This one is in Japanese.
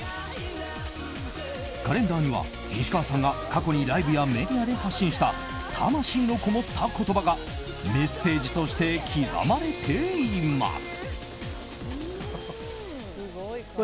カレンダーには西川さんが過去にライブやメディアで発信した魂のこもった言葉がメッセージとして刻まれています。